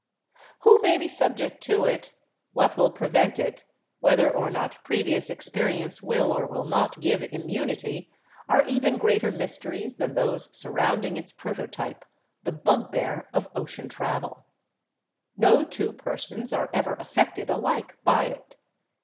Who may be subject to it, what will prevent it, whether or not previous experience will or will not give immunity, are even greater mysteries than those surrounding its proto type, the bugbear of ocean travel. No two persons are ever affected alike by it.